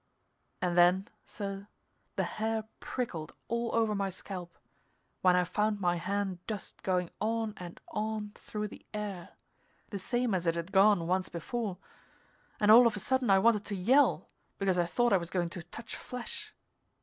And then, sir, the hair prickled all over my scalp, when I found my hand just going on and on through the air, the same as it had gone once before, and all of a sudden I wanted to yell, because I thought I was going to touch flesh.